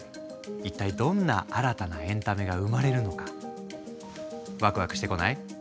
一体どんな新たなエンタメが生まれるのかワクワクしてこない？